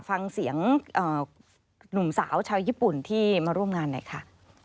ฟังเสียงหนุ่มสาวชาวญี่ปุ่นที่มาร่วมงานหน่อยค่ะ